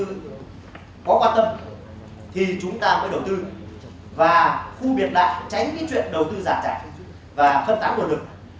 nếu nhà đầu tư có quan tâm thì chúng ta mới đầu tư và khu biệt lại tránh cái chuyện đầu tư giả trải và phân tác nguồn lực